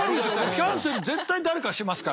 キャンセル絶対誰かしますから。